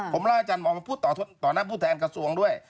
ผมเล่าให้อาจารย์มองมาพูดต่อหน้าผู้แทนกระทรวงด้วย